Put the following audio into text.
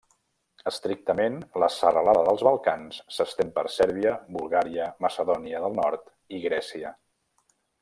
Estrictament, la serralada dels Balcans s'estén per Sèrbia, Bulgària, Macedònia del Nord i Grècia.